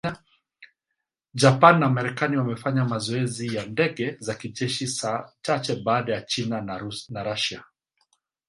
Japan na Marekani wamefanya mazoezi ya ndege za kijeshi saa chache baada ya China na Russia